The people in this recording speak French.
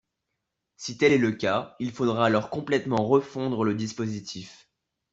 Si tel est le cas, il faudra alors complètement refondre le dispositif.